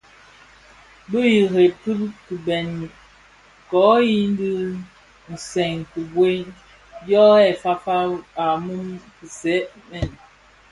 Bi ireb kibeňi kō yin di nsèň khibuen dyō yè fafa a mum kisee mèn.